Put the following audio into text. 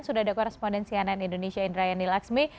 sudah ada korespondensi ann indonesia indrayani laksmi